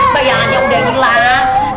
bayangannya udah hilang